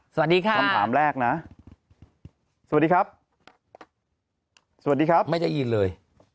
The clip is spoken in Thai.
สวัสดีค่ะคำถามแรกนะสวัสดีครับสวัสดีครับไม่ได้ยินเลย